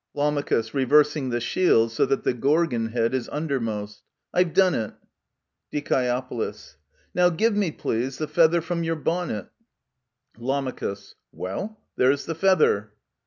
Lam. (reversing the shield so that the Gorgon head is under most). I've done it Die. Now give me, please, the feather from your bonnet Lam. Well, there's the feather.